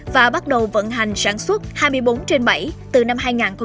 và bắt đầu vận hành sản xuất hai mươi bốn trên bảy từ năm hai nghìn một mươi